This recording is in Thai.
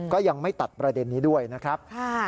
ก็ยังไม่ตัดประเด็นนี้ด้วยนะครับ